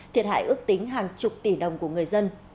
thiệt hại ước tính hàng chục tỷ đồng của người dân